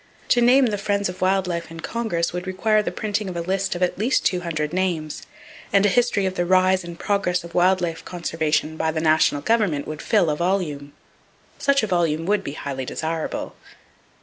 To name the friends of wild life in Congress would require the printing of a list of at least two hundred names, and a history of the rise and progress of wild life conservation by the national government would fill a volume. Such a volume would be highly desirable.